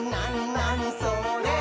なにそれ？」